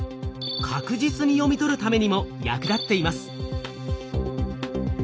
確実に読み取るためにも役立っています。